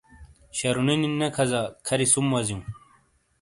شَرُونی نی نے کھازا کھَری سُم وازیوں۔